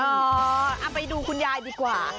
เอาไปดูคุณยายดีกว่า